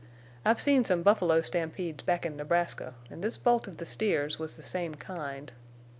I've seen some buffalo stampedes back in Nebraska, an' this bolt of the steers was the same kind.